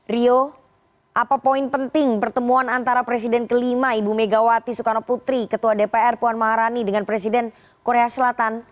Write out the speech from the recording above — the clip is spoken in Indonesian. rio apa poin penting pertemuan antara presiden kelima ibu megawati soekarno putri ketua dpr puan maharani dengan presiden korea selatan